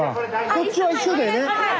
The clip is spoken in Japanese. こっちは一緒だよね？